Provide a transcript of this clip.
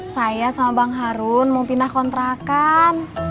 saya sama bang harun mau pindah kontrakan